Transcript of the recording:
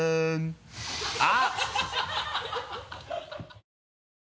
あっ！